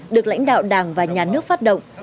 được lãnh đạo đảng và nhà nước phát động